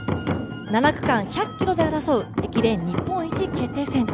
７区間１００ｋｍで争う駅伝日本一決定戦。